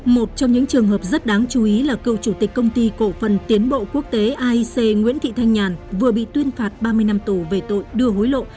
một trong những trường hợp rất đáng chú ý là cựu chủ tịch công ty cổ phần tiến bộ quốc tế aic nguyễn thị thanh nhàn vừa bị tuyên phạt ba mươi năm tù về tội đưa hối lộ